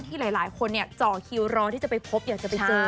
ที่หลายคนเจาะคิวรอที่จะไปพบอยากจะไปเจอ